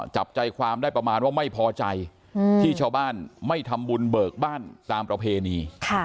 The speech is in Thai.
จับใจความได้ประมาณว่าไม่พอใจที่ชาวบ้านไม่ทำบุญเบิกบ้านตามประเพณี